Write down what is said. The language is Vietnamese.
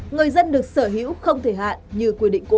người dân được sở hữu không thể hạn như quy định cũ